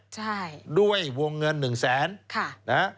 ใช่ด้วยวงเงิน๑๐๐๐๐๐บาท